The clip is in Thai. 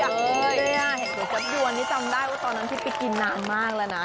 เห็นตัวจับจวนนี่จำได้ว่าตอนนั้นที่ไปกินนานมากแล้วนะ